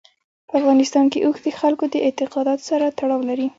په افغانستان کې اوښ د خلکو د اعتقاداتو سره تړاو لري.